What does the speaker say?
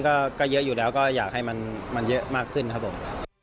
ก็เยอะอยู่แล้วก็อยากให้มันเยอะมากขึ้นครับผม